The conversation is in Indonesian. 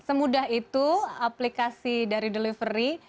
semudah itu aplikasi dari delivery